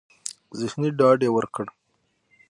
ذهني ډاډ يې ورکړ.